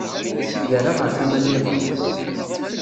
Yerra ɣer tama nniḍen.